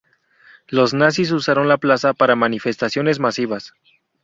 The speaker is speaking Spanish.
Los nazis usaron la plaza para manifestaciones masivas.